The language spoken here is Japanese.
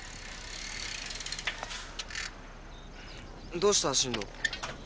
どうした進藤？